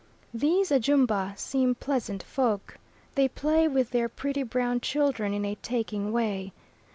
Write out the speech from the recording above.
These Ajumba seem pleasant folk. They play with their pretty brown children in a taking way.